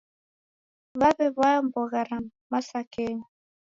W'aw'ew'aya mbogha ra masakenyi.